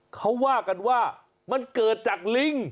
เขาว่ากันว่ามันเกิดจากลิง